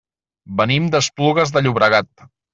Venim d'Esplugues de Llobregat.